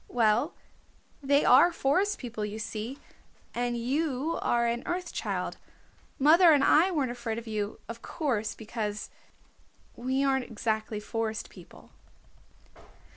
"Well, they are Forest People, you see, and you are an Earth Child. Mother and I weren't afraid of you, of course, because, we aren't exactly Forest People."